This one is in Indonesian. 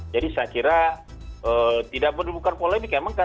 jadi saya kira tidak perlu bukan polemik